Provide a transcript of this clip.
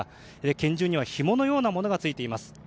拳銃にはひものようなものがついています。